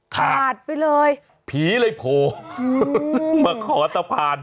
ค่ะผีเลยโผล่มาขอสะพาน